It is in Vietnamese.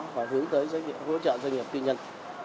và hướng tới hỗ trợ doanh nghiệp tư nhân